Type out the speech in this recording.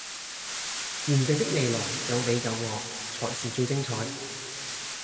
原定的未來有你有我才是最精彩